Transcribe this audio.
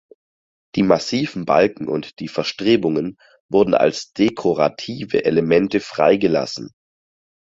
Die massiven Balken und die Verstrebungen wurden als dekorative Elemente freigelassen.